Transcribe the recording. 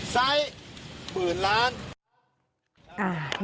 ไซส์๑๐ล้าน